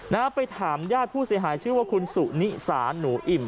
ไปถามรายการซายนานผู้เสียหายว่าคุณสุชินิสานหนูอิ่ม